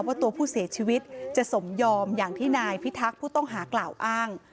ว่าตัวผู้เสียชีวิตจะสมยอมอย่างที่นายพิทักษ์ผู้ต้องหากล่าวอ้าง